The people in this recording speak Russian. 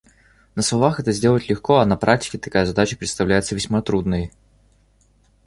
На словах это сделать легко, а на практике такая задача представляется весьма трудной.